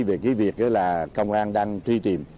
về việc công an đang truy tìm